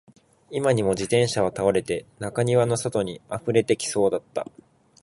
今にも自転車は倒れて、中庭の外に溢れてきそうだった